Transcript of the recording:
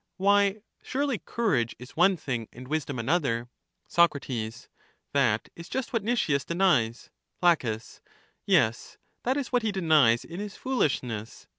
Why, surely cour age is one thing, and wisdom another. Soc, That is just what Nicias denies. La. Yes, that is what he denies in his foolishness.